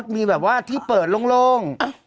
มีแบบว่าที่เปิดโล่ง